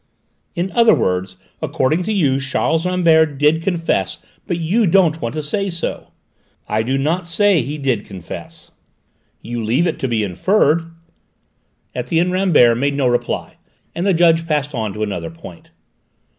"In other words, according to you Charles Rambert did confess, but you don't want to say so." "I do not say he did confess." "You leave it to be inferred." Etienne Rambert made no reply, and the judge passed on to another point.